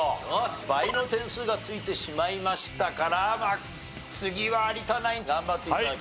倍の点数が付いてしまいましたから次は有田ナイン頑張って頂きたいと思います。